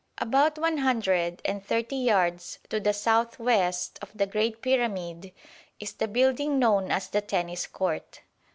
About one hundred and thirty yards to the south west of the great pyramid is the building known as the Tennis Court.